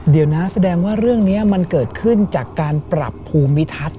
เดี๋ยวนะแสดงว่าเรื่องนี้มันเกิดขึ้นจากการปรับภูมิทัศน์